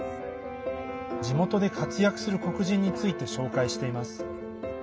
地元で活躍する黒人について紹介しています。